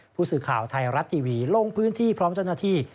ผู้สื่อข่าวไทยรัฐทีวีลงพื้นที่พร้อมเจ้าหน้าที่